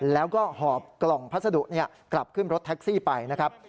แล้วก็หอบกล่องพัสดุกลับขึ้นรถแท็กซี่ไปนะครับ